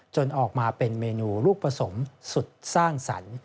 ออกมาเป็นเมนูลูกผสมสุดสร้างสรรค์